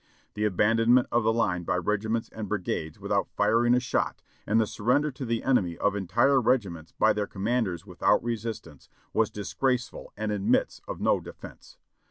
The abandonment of the line by regiments and brigades without firing a shot, and the surrender to the enemy of entire regiments by their commanders without resistance, was disgraceful and admits of no defense.